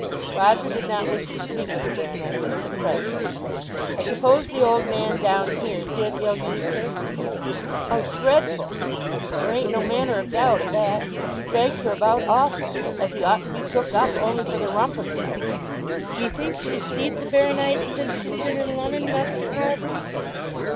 Roger did not wish to speak of the Baronet just at present. "I suppose the old man down here did ill use her?" "Oh, dreadful; there ain't no manner of doubt o' that. Dragged her about awful; as he ought to be took up, only for the rumpus like. D'ye think she's see'd the Baro nite since she's been in Lon'on, Muster Carbury?"